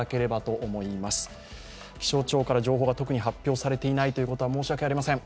気象庁から情報が特に発表されていないということは、申し訳ありません。